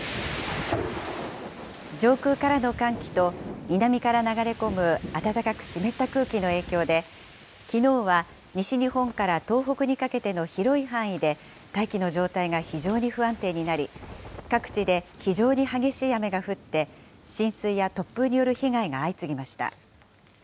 上空からの寒気と南から流れ込む暖かく湿った空気の影響で、きのうは西日本から東北にかけての広い範囲で大気の状態が非常に不安定になり、各地で非常に激しい雨が降って、浸水や突風による被害が相次ぎました。